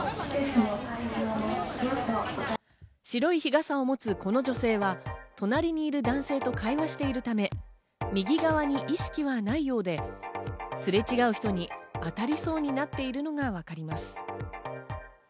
白い日傘を持つこの女性は隣にいる男性と会話しているため、右側に意識はないようで、すれ違う人に当たりそうになっているのがわかります。